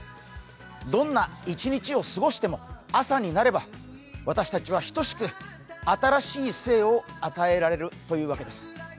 どんな一日を過ごしても、朝になれば私たちは等しく新しい生を与えられるというわけです。